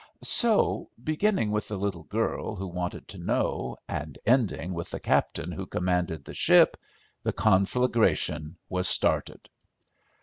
So, beginning with the little girl who wanted to know, and ending with the captain who commanded the ship, the conflagration was started.